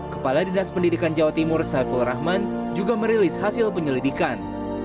kepala dinas pendidikan jawa timur saiful rahman juga merilis hasil penyelidikan